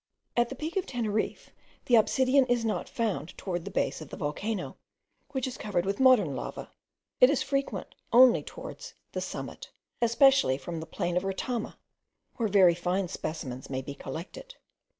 At the peak of Teneriffe the obsidian is not found towards the base of the volcano, which is covered with modern lava: it is frequent only towards the summit, especially from the plain of Retama, where very fine specimens may be collected.